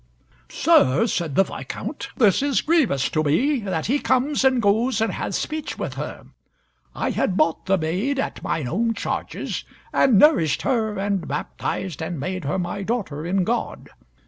"Sir," said the Viscount, "this is grievous to me that he comes and goes and hath speech with her. I had bought the maid at mine own charges, and nourished her, and baptized, and made her my daughter in God.